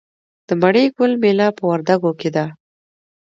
د مڼې ګل میله په وردګو کې ده.